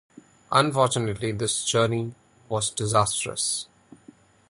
Unfortunately this journey was disastrous.